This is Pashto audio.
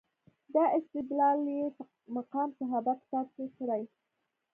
دا استدلال یې په مقام صحابه کتاب کې کړی.